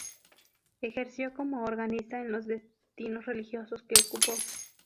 Ejerció como organista en los destinos religiosos que ocupó.